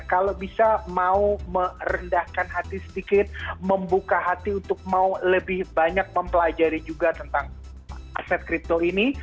kalau bisa mau merendahkan hati sedikit membuka hati untuk mau lebih banyak mempelajari juga tentang aset kripto ini